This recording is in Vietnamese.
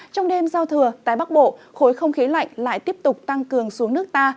trong đêm giao thừa tại bắc bộ khối không khí lạnh lại tiếp tục tăng cường xuống nước ta